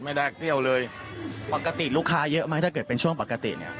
ไม่ได้เปรี้ยวเลยปกติลูกค้าเยอะไหมถ้าเกิดเป็นช่วงปกติเนี่ย